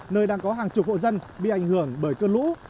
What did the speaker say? nơi đang có hàng chục hộ dân bị ảnh hưởng bởi cơn lũ